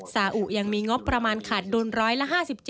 สาอุยังมีงบประมาณขาดดุลร้อยละ๕๗